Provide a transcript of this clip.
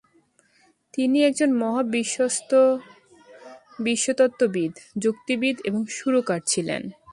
তিনি একজন মহাবিশ্বতত্ত্ববিদ, যুক্তিবিদ এবং সুরকার ছিলেন।